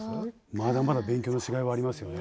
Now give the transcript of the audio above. まだまだ勉強のしがいはありますよね。